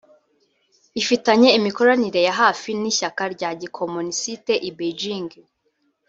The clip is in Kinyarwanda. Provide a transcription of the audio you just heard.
ifitanye imikoranire ya hafi n’Ishyaka rya Gikomonisite I Beijing